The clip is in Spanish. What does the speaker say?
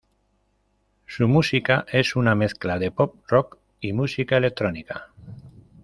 Su música es una mezcla de pop rock y música electrónica.